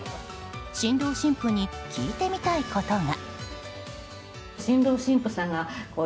新郎新婦に聞いてみたいことが。